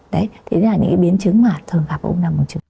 đấy thế là những biến chứng mà thường gặp u năng buồng trứng